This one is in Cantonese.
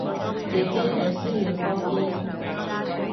姐姐你需要多啲